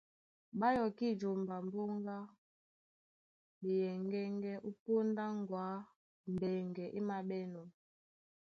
Ɓá yɔkí jomba mboŋga a ɓeyɛŋgɛ́ŋgɛ́ ó póndá ŋgɔ̌ á mbɛŋgɛ é māɓɛ́nɔ̄.